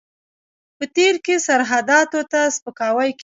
په تېر کې سرحداتو ته سپکاوی کېده.